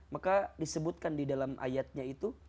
maka disebutkan di dalam ayatnya itu